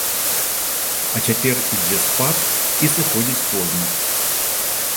А цяпер ідзе спад, і сыходзіць позна.